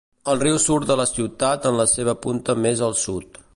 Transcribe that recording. El riu surt de la ciutat en la seva punta més al sud.